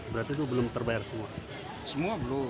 berarti itu belum terbayar semua